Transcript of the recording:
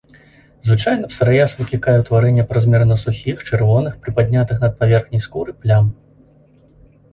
Звычайна псарыяз выклікае ўтварэнне празмерна сухіх, чырвоных, прыпаднятых над паверхняй скуры плям.